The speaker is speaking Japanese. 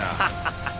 ハハハ。